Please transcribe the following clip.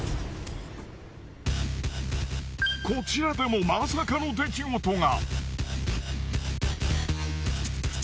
こちらでもまさかの出来事が！